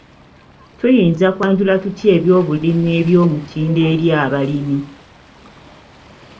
Tuyinza kwanjula tutya eby'obulimi eby'omutindo eri abalimi?